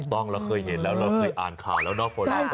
ถูกต้องเราเคยเห็นแล้วเราคืออ่านข่าวแล้วนะครับ